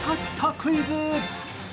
クイズ。